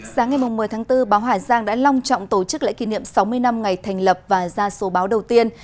sáng ngày một mươi tháng bốn báo hà giang đã long trọng tổ chức lễ kỷ niệm sáu mươi năm ngày thành lập và ra số báo đầu tiên